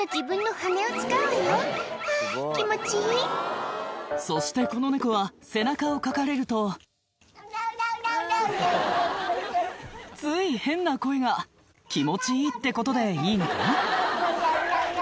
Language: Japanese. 「あぁ気持ちいい」そしてこのネコは背中をかかれるとつい変な声が気持ちいいってことでいいのかな？